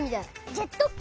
ジェットき。